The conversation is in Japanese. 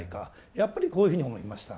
やっぱりこういうふうに思いました。